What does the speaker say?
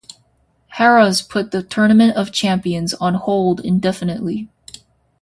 Harrah's put the Tournament of Champions on hold indefinitely.